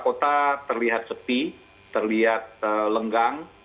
kota terlihat sepi terlihat lenggang